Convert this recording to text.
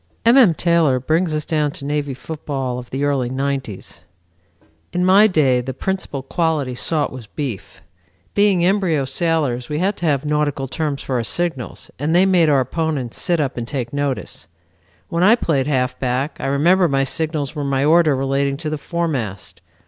M. M. Taylor brings us down to Navy football of the early nineties. "In my day the principal quality sought was beef. Being embryo sailors we had to have nautical terms for our signals, and they made our opponents sit up and take notice. When I played halfback I remember my signals were my order relating to the foremast.